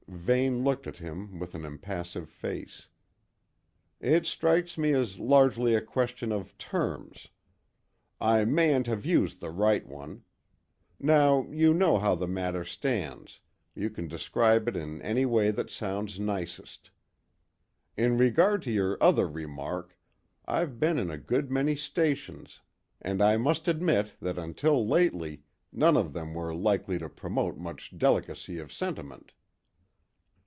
Vane looked at him with an impassive face. "It strikes me as largely a question of terms I mayn't have used the right one. Now you know how the matter stands, you can describe it in any way that sounds nicest. In regard to your other remark, I've been in a good many stations, and I must admit that until lately none of them were likely to promote much delicacy of sentiment."